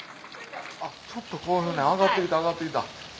ちょっとこういうふうに上がって来た上がって来た。